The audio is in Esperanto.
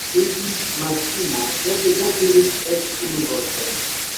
Paliĝis Maksimo, sed ne diris eĉ unu vorton.